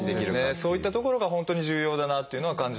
そういったところが本当に重要だなというのは感じております。